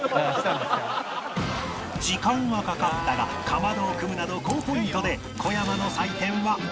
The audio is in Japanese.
時間はかかったがかまどを組むなど高ポイントで小山の採点は９０点